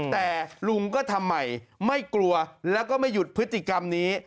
แต่ลุงก็ทำใหม่ไม่กลัวแล้วก็ไม่หยุดพฤติกรรมนี้